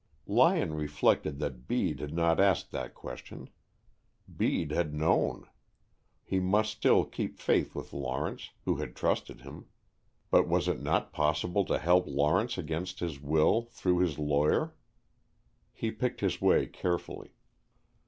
Lyon reflected that Bede had not asked that question. Bede had known! He must still keep faith with Lawrence, who had trusted him; but was it not possible to help Lawrence against his will through this lawyer? He picked his way carefully.